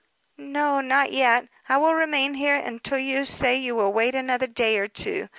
"No, not yet. I will remain here until you say you will wait another day or two.